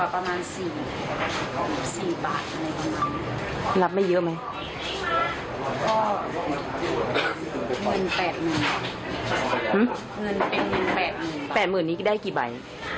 แปดหมื่นนี้ได้กี่ใบ